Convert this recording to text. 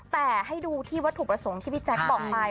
แต่ให้ดูที่วัตถุประสงค์ที่พี่แจ๊คบอกไป